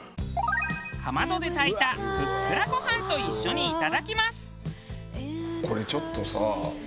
かまどで炊いたふっくらご飯と一緒にいただきます。